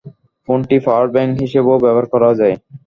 ফোনটি power bank হিসেবেও ব্যবহার করা যায়।